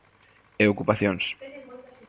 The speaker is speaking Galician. E ocupacións.